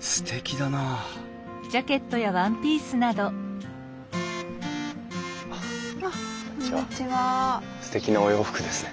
すてきなお洋服ですね。